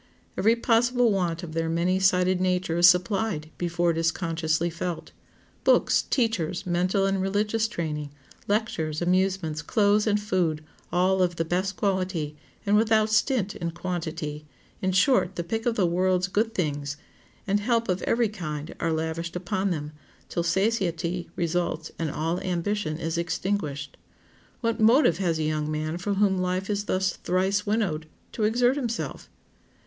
Every possible want of their many sided nature is supplied before it is consciously felt. Books, teachers, mental and religious training, lectures, amusements, clothes, and food, all of the best quality, and without stint in quantity—in short, the pick of the world's good things—and help of every kind are lavished upon them, till satiety results, and all ambition is extinguished. What motive has a young man for whom life is thus "thrice winnowed" to exert himself?